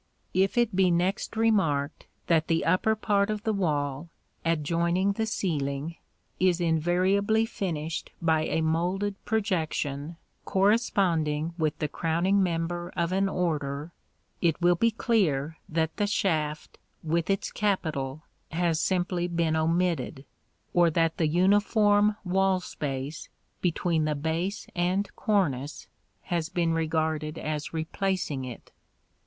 If it be next remarked that the upper part of the wall, adjoining the ceiling, is invariably finished by a moulded projection corresponding with the crowning member of an order, it will be clear that the shaft, with its capital, has simply been omitted, or that the uniform wall space between the base and cornice has been regarded as replacing it.